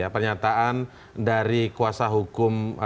pernyataan dari kuasa hukum